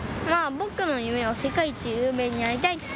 まあ、僕の夢は世界一有名になりたい。